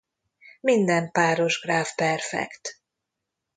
Minden páros gráf perfekt.